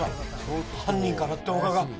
犯人から動画が。